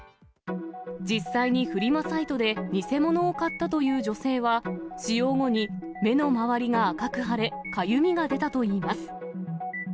実際にフリマサイトで偽物を買ったという女性は、使用後に目の周りが赤く腫れ、かゆみが出たといいます。